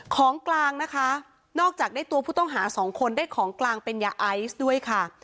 ของกลางนะคะนอกจากได้ตัวผู้ต้องหาสองคนได้ของกลางเป็นยาไอซ์ด้วยค่ะ